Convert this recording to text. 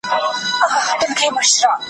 د هرات لرغونی ښار ,